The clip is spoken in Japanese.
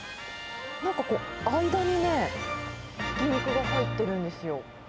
なんかこう、間にね、ひき肉が入ってるんですよ。